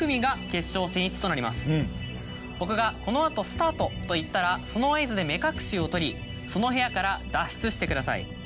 僕がこの後スタートと言ったらその合図で目隠しを取りその部屋から脱出してください。